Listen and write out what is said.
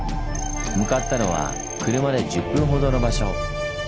向かったのは車で１０分ほどの場所。